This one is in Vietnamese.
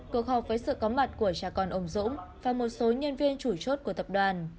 cuộc họp với sự có mặt của cha con ông dũng và một số nhân viên chủ chốt của tập đoàn